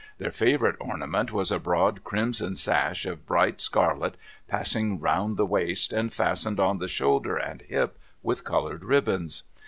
Their favorite ornament was a broad crimson sash, of bright scarlet, passing round the waist, and fastened on the shoulder and hip with colored ribbons.